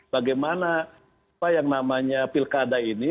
bagaimana apa yang namanya pilkada ini